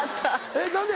えっ何で？